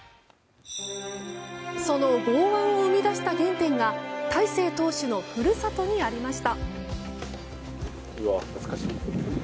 その剛腕を生み出した原点が大勢投手の故郷にありました。